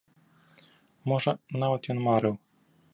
Можа, нават ён марыў.